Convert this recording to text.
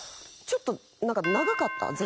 ちょっとなんか長かった。